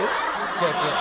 違う違う。